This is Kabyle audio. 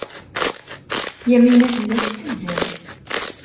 Yamina tella tettazzal.